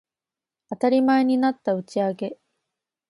当たり前になった打ち上げ